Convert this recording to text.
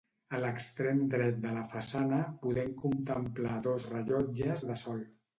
A l'extrem dret de la façana podem contemplar dos rellotges de sol.